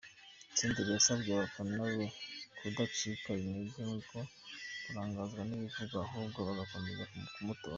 Senderi yasabye abafana be kudacika intege no kurangazwa n’ibivugwa ahubwo, bagakomeza kumutora.